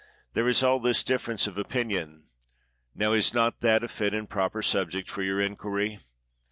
There is all this difference of opinion. Now, is not that a fit and proper subject for your inquiry?